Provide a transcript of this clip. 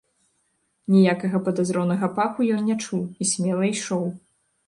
Ніякага падазронага паху ён не чуў і смела ішоў.